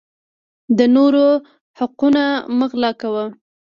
د نورو حقونه مه غلاء کوه